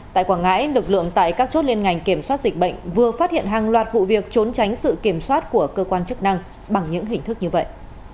tại quảng ngãi lực lượng tại các chốt liên ngành kiểm soát dịch bệnh vừa phát hiện hàng loạt vụ việc trốn tránh sự kiểm soát của cơ quan chức năng bằng những hình thức như vậy